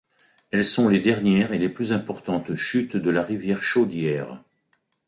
Elles sont les dernières et les plus importantes chutes de la rivière Chaudière.